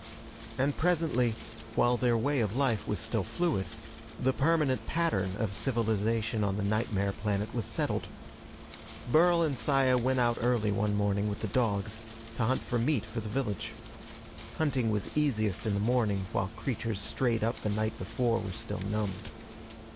And presently, while their way of life was still fluid, the permanent pattern of civilization on the nightmare planet was settled. Burl and Saya went out early one morning with the dogs, to hunt for meat for the village. Hunting was easiest in the morning while creatures strayed up the night before were still numbed.